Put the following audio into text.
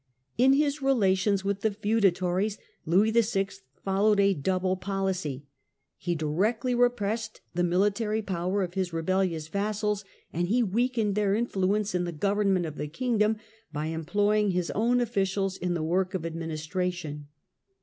In his relations with the feudatories, Louis VI. followed a double policy. He directly repressed the military power of his rebellious vassals, and he weakened their influence in the government of the kingdom by employing his own officials in the work of administration.